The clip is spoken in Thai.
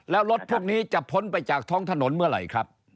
แล้วรถพวกนี้จะพ้นไปจากท้องถนนเมื่อไหร่ครับ